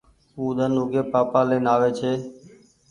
او ۮن اوگي پآپآ لين آوي ڇي۔